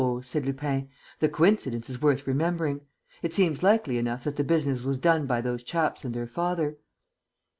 said Lupin. "The coincidence is worth remembering. It seems likely enough that the business was done by those chaps and their father."